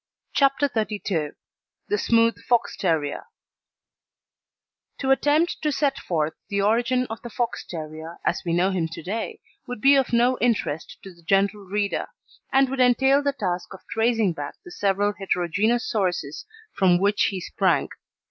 CHAPTER XXXII THE SMOOTH FOX TERRIER To attempt to set forth the origin of the Fox terrier as we know him to day would be of no interest to the general reader, and would entail the task of tracing back the several heterogeneous sources from which he sprang.